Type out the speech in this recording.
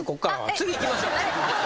次いきましょう。